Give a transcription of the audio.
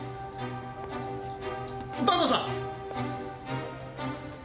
坂東さん！